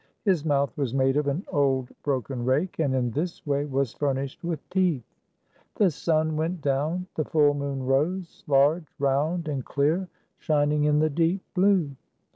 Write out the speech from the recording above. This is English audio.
His mouth was made of an old broken rake, and in this way was furnished with teeth. The sun went down. The full moon rose, large, round, and clear, shining in the deep blue.